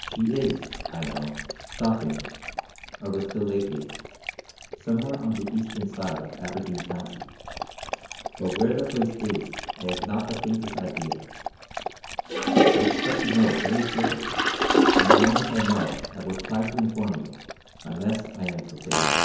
She is I know stopping, or was till lately, somewhere on the eastern side of Aberdeen County; but where the place is I have not the faintest idea. I expect to know very shortly; and the moment I know I will try to inform you, unless I am forbidden.